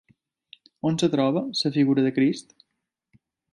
On es troba la figura de Crist?